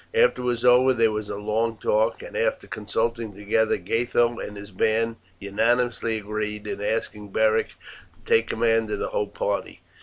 After it was over there was a long talk, and after consulting together Gatho and his band unanimously agreed in asking Beric to take command of the whole party.